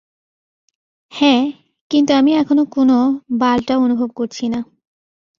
হ্যাঁ, কিন্তু আমি এখনো কোন বালটাও অনুভব করছি না।